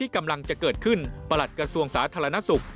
กำลังจะเกิดขึ้นประหลัดกระทรวงสาธารณสุข